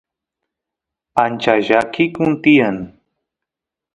ancha llakikun tiyan